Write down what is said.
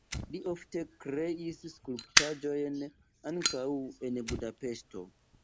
Li ofte kreis skulptaĵojn ankaŭ en Budapeŝto.